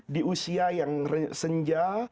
di usia yang senja